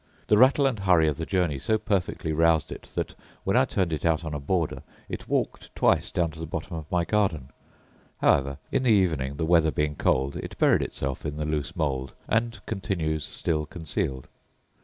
The rattle and hurry of the journey so perfectly roused it that, when I turned it out on a border, it walked twice down to the bottom of my garden; however, in the evening, the weather being cold, it buried itself in the loose mould, and continues still concealed.